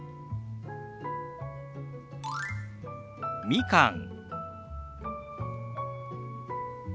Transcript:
「みかん」。